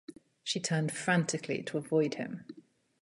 She turned frantically to avoid him.